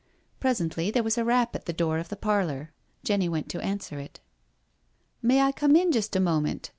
Presently there was a rap at the front door of the parlour. Jenny went to answer it. "May I come in just a moment?"